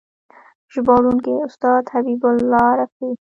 ژباړونکی: استاد حبیب الله رفیع